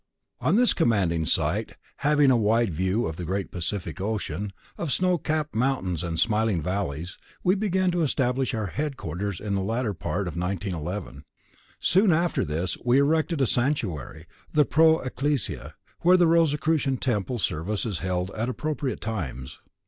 _ On this commanding site having a wide view of the great Pacific Ocean, of snow capped mountains and smiling valleys, we began to establish our headquarters in the latter part of 1911. Soon after this we erected a sanctuary, the Pro Ecclesia, where the Rosicrucian Temple Service is held at appropriate times.